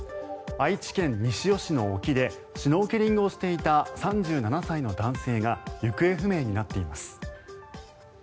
愛知県西尾市の沖でシュノーケリングをしていた３７歳の男性が行方不明になっています。